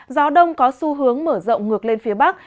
gió đông có xu hướng mở rộng ngược lên phía bắc